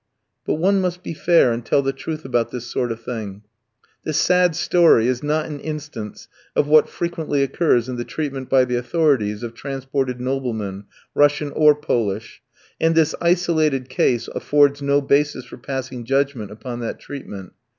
But one must be fair and tell the truth about this sort of thing; this sad story is not an instance of what frequently occurs in the treatment by the authorities of transported noblemen, Russian or Polish; and this isolated case affords no basis for passing judgment upon that treatment.